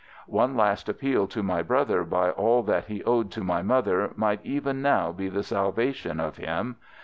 One last appeal to my brother by all that he owed to my mother might even now be the salvation of him.